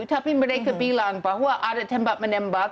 tapi mereka bilang bahwa ada tembak menembak